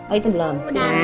oh itu belum